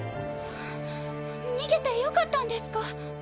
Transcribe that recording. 逃げてよかったんですか？